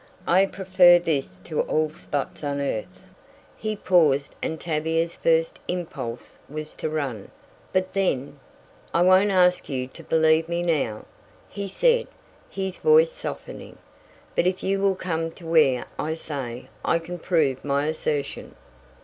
"I prefer this to all spots on earth." He paused and Tavia's first impulse was to run, but then "I won't ask you to believe me now," he said, his voice softening, "but if you will come to where I say I can prove my assertion."